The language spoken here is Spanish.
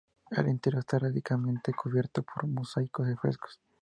El interior está ricamente cubierto por mosaicos y frescos.